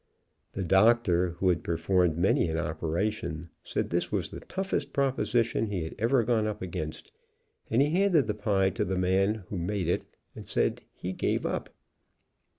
The Doctor, who had performed many an operation, said this was the toughest proposition he had ever gone up against, and he handed the pie to the man who made it/and said he gave it up.